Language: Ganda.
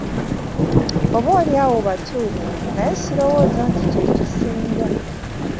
Oboolyawo batuufu naye sirowooza nti ky'ekisinga